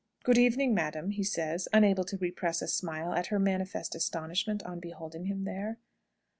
"Good evening, madam," he says, unable to repress a smile at her manifest astonishment on beholding him there.